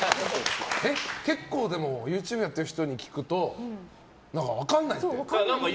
結構、ＹｏｕＴｕｂｅやってる人に聞くと何か、分からないって。